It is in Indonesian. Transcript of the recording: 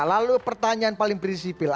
lalu pertanyaan paling prinsipil